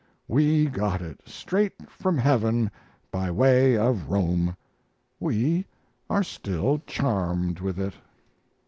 We got it straight from heaven by way of Rome. We are still charmed with it."